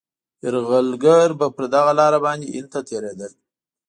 یرغلګر به پر دغه لاره باندي هند ته تېرېدل.